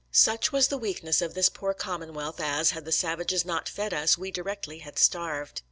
Such was the weakness of this poor commonwealth as, had the savages not fed us, we directly had starved.